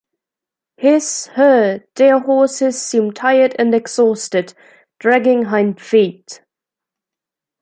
His/her / their horses, seemed tired and exhausted, dragging hind feet.